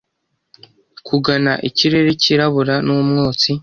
Kugana ikirere cyirabura n'umwotsi